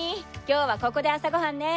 今日はここで朝ご飯ね。